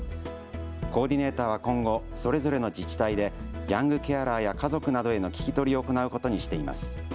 コーディネーターは今後、それぞれの自治体でヤングケアラーや家族などへの聞き取りを行うことにしています。